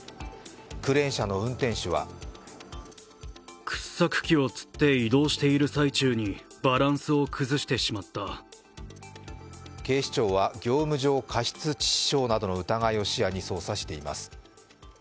クレーン車の運転手は警視庁は業務上過失致死傷などの疑いを視野に捜査しています。